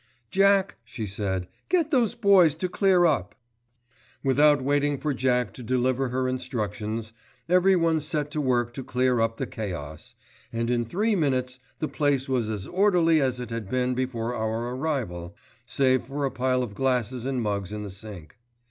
"Jack," she said, "Get those boys to clear up." Without waiting for Jack to deliver her instructions, everyone set to work to clear up the chaos, and in three minutes the place was as orderly as it had been before our arrival, save for a pile of glasses and mugs in the sink.